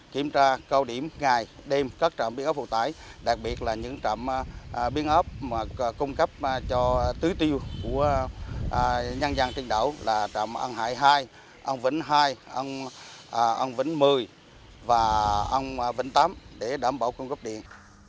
kiểm tra cao điểm ngày đêm các trạm biến ốp phụ tải đặc biệt là những trạm biến ốp cung cấp cho tứ tiêu của nhân dân trên đảo là trạm ân hải hai ân vĩnh hai ân vĩnh một mươi và ân vĩnh tám để đảm bảo cung cấp điện